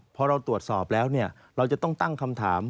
พอเราตรวจสอบแล้วเราจะต้องตั้งคำถาม